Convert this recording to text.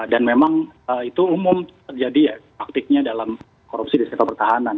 dan memang itu umum terjadi ya praktiknya dalam korupsi di sifat pertahanan